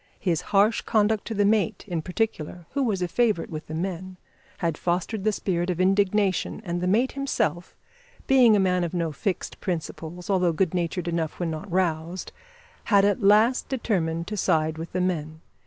His harsh conduct to the mate, in particular, who was a favourite with the men, had fostered the spirit of indignation, and the mate himself, being a man of no fixed principles, although good natured enough when not roused, had at last determined to side with the men.